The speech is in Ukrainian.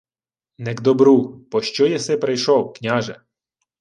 — Не к добру... Пощо єси прийшов, княже?